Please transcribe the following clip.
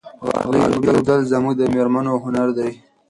غالۍ اوبدل زموږ د مېرمنو هنر دی.